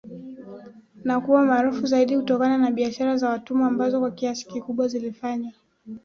na kuwa maarufu zaidi kutona na bishara za watumwa ambazo kwa kiasi kikubwa zilifanywa